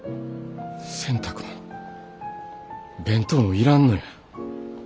洗濯も弁当もいらんのや。